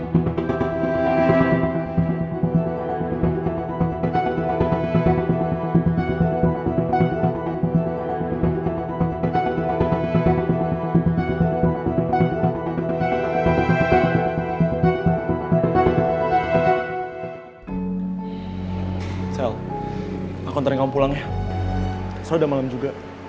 biarin kamu pulang ya besok udah malem juga